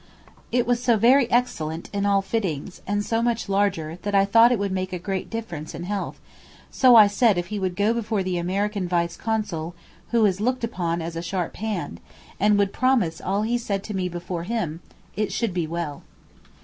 It was so very excellent in all fittings, and so much larger, that I thought it would make a great difference in health, so I said if he would go before the American Vice Consul (who is looked on as a sharp hand) and would promise all he said to me before him, it should be well.